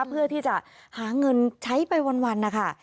เพื่อที่จะหาเงินใช้ไปวันนะคะ